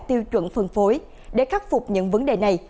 tiêu chuẩn phân phối để khắc phục những vấn đề này